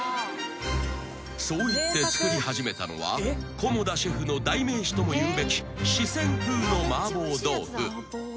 ［そういって作り始めたのは菰田シェフの代名詞とも言うべき四川風のマーボー豆腐］